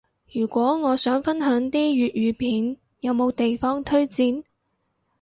如果我想分享啲粵語片，有冇地方推薦？